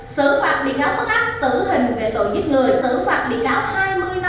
sử phạt bị cáo bất áp tử hình về tội giết người sử phạt bị cáo hai mươi năm tù về tội cướp tài sản